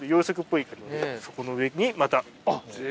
そこの上にまた。